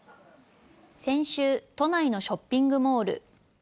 先週、都内のショッピングモール。